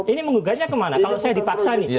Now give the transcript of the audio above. ini menggugatnya kemana kalau saya dipaksa nih